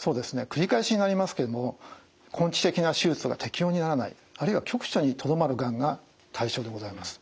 繰り返しになりますけども根治的な手術が適応にならないあるいは局所にとどまるがんが対象でございます。